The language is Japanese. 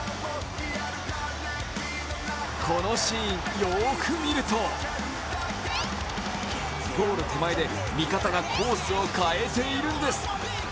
このシーン、よーく見ると、ゴール手前で味方がコースを変えているんです。